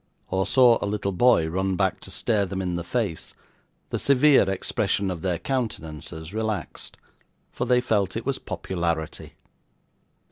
or saw a little boy run back to stare them in the face, the severe expression of their countenances relaxed, for they felt it was popularity.